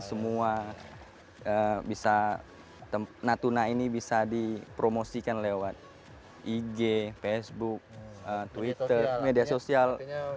semua bisa natuna ini bisa dipromosikan lewat ig facebook twitter media sosial